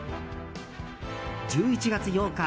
１１月８日